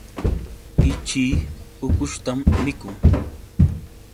Ichii ukushtam mikun.